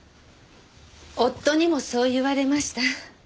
夫にもそう言われました。